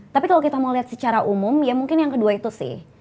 tapi kalau kita mau lihat secara umum ya mungkin yang kedua itu sih